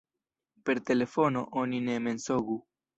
Per telefono oni ne mensogu.